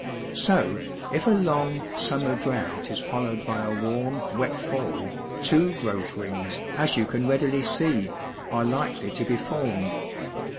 So, if a long, summer drought is followed by a warm, wet fall, two growth rings, as you can readily see, are Ukely to be formed.